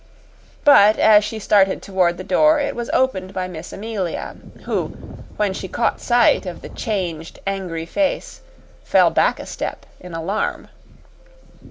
But as she started toward the door it was opened by Miss Amelia, who, when she caught sight of the changed, angry face, fell back a step in alarm.